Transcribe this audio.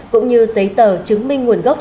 cũng như giấy tờ chứng minh nguồn gốc